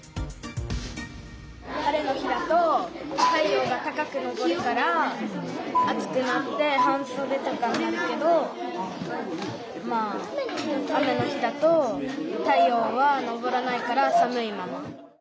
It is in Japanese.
晴れの日だと太陽が高くのぼるから暑くなって半そでとかになるけどまあ雨の日だと太陽はのぼらないから寒いまま。